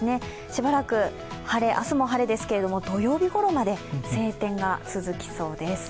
しばらく晴れ、明日も晴れですけれども、土曜日ごろまで晴天が続きそうです。